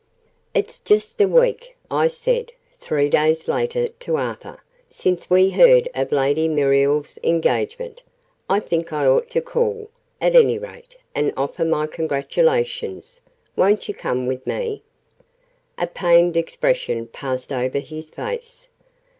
"It's just a week," I said, three days later, to Arthur, "since we heard of Lady Muriel's engagement. I think I ought to call, at any rate, and offer my congratulations. Won't you come with me?" A pained expression passed over his face.